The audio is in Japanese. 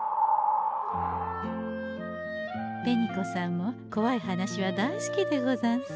紅子さんもこわい話は大好きでござんす。